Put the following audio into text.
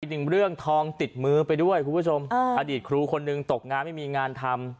หนึ่งเรื่องทองติดมือไปด้วยคุณผู้ชมอดีตครูคนหนึ่งตกงานไม่มีงานทำ